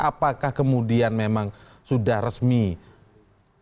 apakah kemudian memang sudah resmi pimpinannya adalah paul